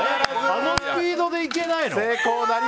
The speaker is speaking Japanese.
あのスピードでいけないの？